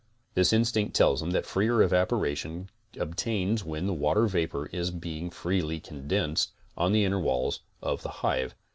This instinct tells them that freer evaporation obtains when the water vapor is being freely condensed on the inner walls of the hive.